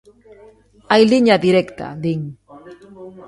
"Hai liña directa", din.